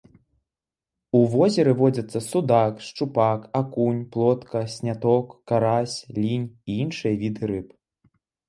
У возеры водзяцца судак, шчупак, акунь, плотка, сняток, карась, лінь і іншыя віды рыб.